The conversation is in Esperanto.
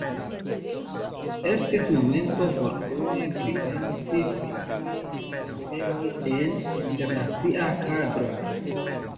Estis momento por kune pripensi pri tiuj aferoj en internacia kadro.